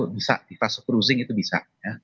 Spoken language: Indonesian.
bisa di fase cruising itu bisa